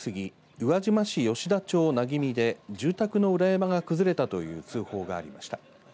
宇和島市吉田町南君で住宅の裏山が崩れたという通報がありました。